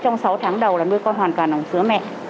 thứ nhất là trong sáu tháng đầu là nuôi con hoàn cả nồng sữa mẹ